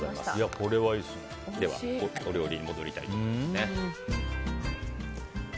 では、お料理に戻りたいと思います。